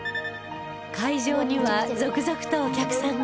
会場には続々とお客さんが